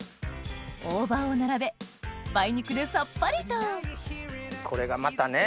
大葉を並べ梅肉でさっぱりとこれがまたね。